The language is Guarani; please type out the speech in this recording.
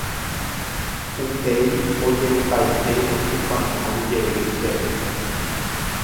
upéi ojerepaite otupãnói jey chéve.